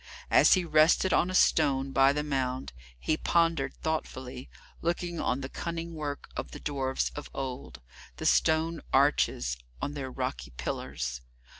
As he rested on a stone by the mound, he pondered thoughtfully, looking on the cunning work of the dwarfs of old, the stone arches on their rocky pillars.